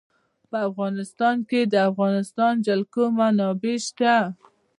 په افغانستان کې د د افغانستان جلکو منابع شته.